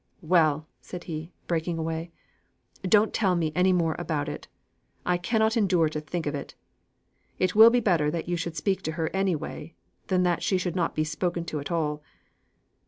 "Well!" said he, breaking away, "don't tell me any more about it. I cannot endure to think of it. It will be better that you should speak to her any way, than that she should not be spoken to at all.